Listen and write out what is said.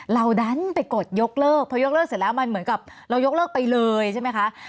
เราดันไปกดยกเลิกพอยกเลิกเสร็จแล้วมันเหมือนกับเรายกเลิกไปเลยใช่ไหมคะ